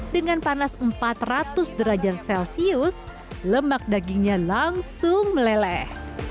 dengan panas empat ratus derajat celcius lemak dagingnya langsung meleleh